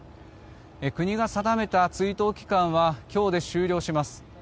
国が定めた追悼期間は今日で終了します。